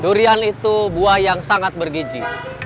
durian itu buah yang sangat bergiji